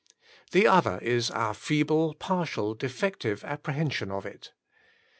The other is our feeble, partial, defective appre hension of it.